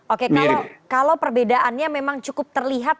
oke kalau perbedaannya memang cukup terlihat